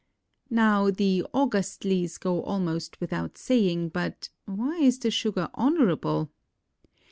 Now the "augustlies" go almost without saying, but why is the sugar honorable?